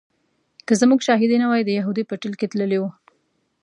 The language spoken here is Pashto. که زموږ شاهدي نه وای د یهودي په ټېل کې تللی و.